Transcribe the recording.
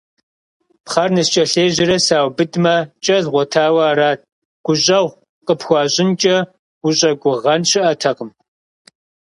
Пхъэр ныскӀэлъежьэрэ саубыдмэ, кӀэ згъуэтауэ арат, гущӀэгъу къыпхуащӀынкӀэ ущӀэгугъэн щыӀэтэкъым.